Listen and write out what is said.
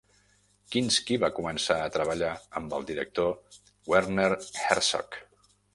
Kinski va començar a treballar amb el director Werner Herzog.